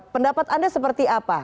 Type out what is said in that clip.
pendapat anda seperti apa